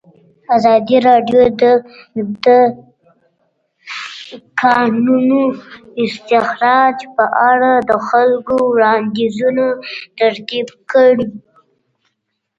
ازادي راډیو د د کانونو استخراج په اړه د خلکو وړاندیزونه ترتیب کړي.